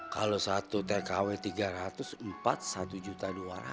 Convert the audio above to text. kalau satu tkw tiga ratus empat satu juta dua ratus